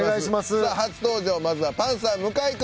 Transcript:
さあ初登場まずはパンサー向井君。